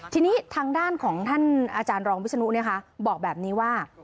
ทีนี้ทางด้านของท่านอาจารย์รองวิศนุบอกแบบนี้ว่า